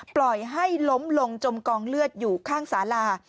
ปล่อยให้ล้มลงจมกองเลือดอยู่ข้างสารา